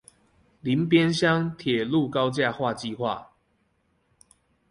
林邊鄉鐵路高架化計畫